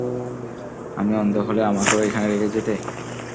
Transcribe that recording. আমি অন্ধ হলে আমাকেও এখানে রেখে যেতে?